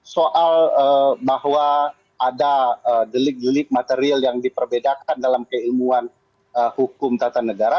soal bahwa ada delik delik material yang diperbedakan dalam keilmuan hukum tata negara